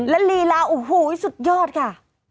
และลีลาโอ้โหสุดยอดค่ะ